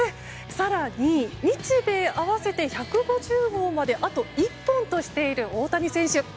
更に、日米合わせて１５０号まであと１本としている大谷選手。